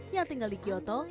yang tinggal di kyoto